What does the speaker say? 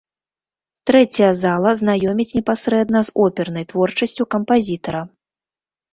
Трэцяя зала знаёміць непасрэдна з опернай творчасцю кампазітара.